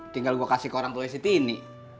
tinggal gue kasih ke orang tuanya siti ini